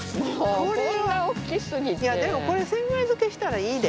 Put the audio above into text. いやでもこれ千枚漬したらいいで。